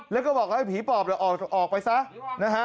แล้วก็บอกให้ผีปอบออกไปซะนะฮะ